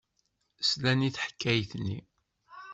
Slan i teḥkayt-nni.